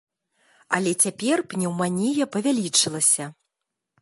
Але цяпер пнеўманія павялічылася.